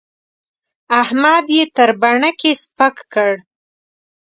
احمد يې تر بڼکې سپک کړ.